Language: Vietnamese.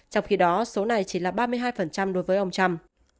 trong khi đó số này chỉ là ba mươi hai đối với ông trump